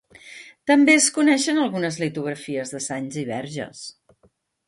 També es coneixen algunes litografies de sants i verges.